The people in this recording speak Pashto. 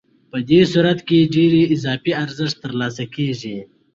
په دې صورت کې ډېر اضافي ارزښت ترلاسه کېږي